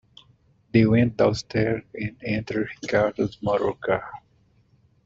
They went downstairs and entered Ricardo's motor car.